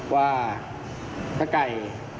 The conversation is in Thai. ว่าพระไก่